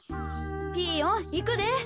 ピーヨンいくで。